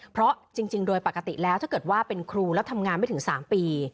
เพราะจริงโดยปกติแล้วถ้าเกิดว่าเป็นครูแล้วทำงานไม่ถึง๓ปี